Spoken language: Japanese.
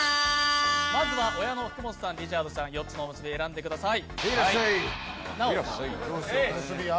まずは親の福本さんリチャードさん４つのおむすび選んでください。